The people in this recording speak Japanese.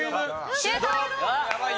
シュート！